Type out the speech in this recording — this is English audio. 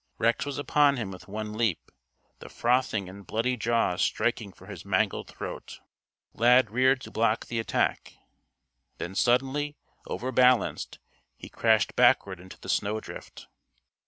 Rex was upon him with one leap, the frothing and bloody jaws striking for his mangled throat. Lad reared to block the attack. Then suddenly, overbalanced, he crashed backward into the snowdrift.